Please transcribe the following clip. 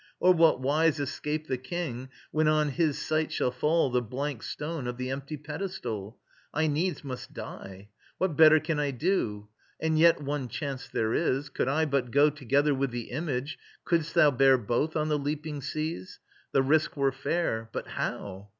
Or what wise Escape the King, when on his sight shall fall The blank stone of the empty pedestal? ... I needs must die ... What better can I do? And yet, one chance there is: could I but go Together with the image: couldst thou bear Both on the leaping seas! The risk were fair. But how?